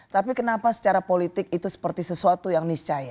tapi kenapa secara politik itu seperti sesuatu yang niscaya